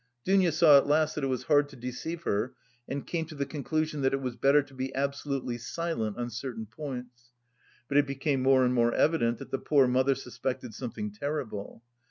Dounia saw at last that it was hard to deceive her and came to the conclusion that it was better to be absolutely silent on certain points; but it became more and more evident that the poor mother suspected something terrible.